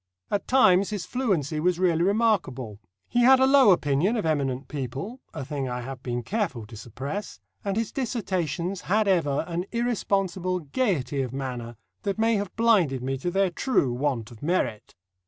At times his fluency was really remarkable. He had a low opinion of eminent people a thing I have been careful to suppress, and his dissertations had ever an irresponsible gaiety of manner that may have blinded me to their true want of merit.